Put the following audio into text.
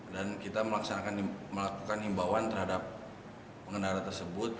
dan kita melakukan himbawan terhadap pengendara tersebut